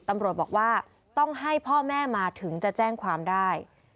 ตำรวจบอกว่าต้องให้พ่อแม่มาถึงจะแจ้งความได้